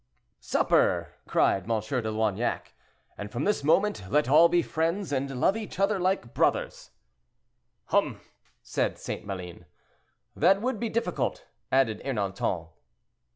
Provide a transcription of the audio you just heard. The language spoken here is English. "Supper!" cried M. de Loignac; "and from this moment let all be friends, and love each other like brothers." "Hum!" said St. Maline. "That would be difficult," added Ernanton.